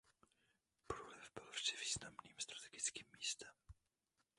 Průliv byl vždy významným strategickým místem.